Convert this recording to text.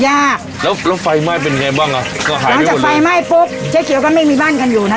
ยากแล้วแล้วไฟไหม้เป็นไงบ้างอ่ะก็หายหลังจากไฟไหม้ปุ๊บเจ๊เขียวก็ไม่มีบ้านกันอยู่นะ